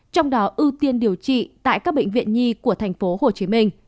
trong đó ưu tiên điều trị tại các bệnh viện nhi của tp hcm